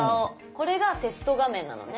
これがテスト画面なのね。